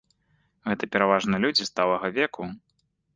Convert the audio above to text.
Гэта пераважна людзі сталага веку.